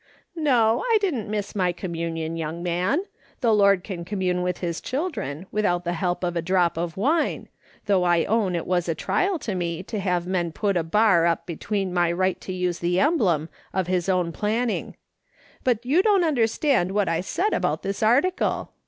" No, I didn't miss my communion, young man. The Lord can commune with his children without tlie help of a drop cf wine, though I own it was a trial to me to have man put a bar up between my right to use the emblem of his own planning. But T 2 276 MRS. SOLOMON SMITH LOOKING ON. you (Joii't understand what I said about this article.